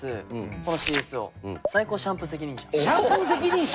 このＣＳＯシャンプー責任者！？